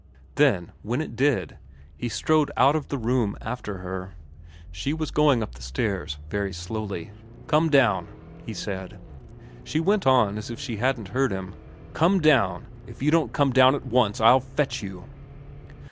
Then, when it did, he strode out of the room after her. She was going up the stairs very slowly. * Come down,' he said. She went on as if she hadn't heard him. ' Come down. If you don't come down at once I'll fetch you.'